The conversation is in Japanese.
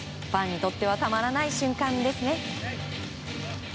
ファンにとってはたまらない瞬間ですね。